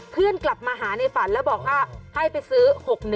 เพื่อนกลับมาหาในฝันแล้วบอกว่าให้ไปซื้อ๖๑